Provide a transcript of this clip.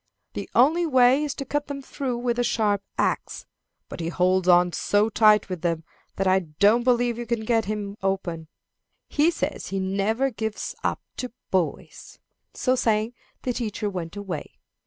The only way is to cut them through with a sharp axe. But he holds on so tight with them that I don't believe you can get him open. He says he never gives up to boys." So saying, the teacher went away.